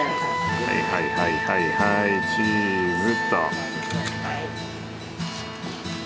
はいはいはいはいはいチーズと。